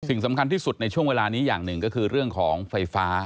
สิ่งสำคัญที่สุดในช่วงเวลานี้อย่างหนึ่งก็คือเรื่องของไฟฟ้า